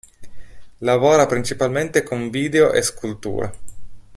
Lavora principalmente con video e sculture.